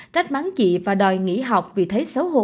trách mắng chị và đòi nghỉ học vì thấy xấu hổ